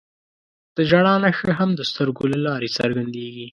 د ژړا نښه هم د سترګو له لارې څرګندېږي